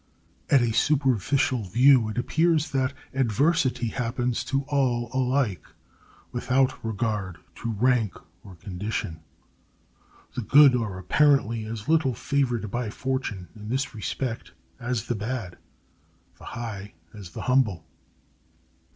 At a superficial view it appears that adversity happens to all alike, without regard to rank or condition. The good are apparently as little favored by fortune in this respect as the bad, the high as the humble.